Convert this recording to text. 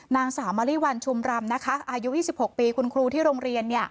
นางสาวมะลิวันชุมรำนะคะอายุ๒๖ปีคุณครูที่โรงเรียน